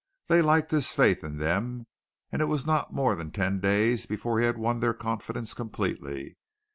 They liked his faith in them, and it was not more than ten days before he had won their confidence completely.